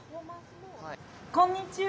こんにちは。